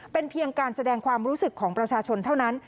เป็นเพียงการแสดงความรู้สึกของประชาชนเท่านั้น